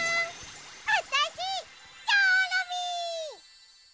あたしチョロミー。